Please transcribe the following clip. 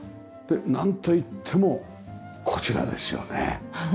なんといってもこちらですよね。